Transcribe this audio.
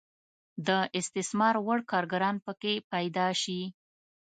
د استثمار وړ کارګران پکې پیدا شي.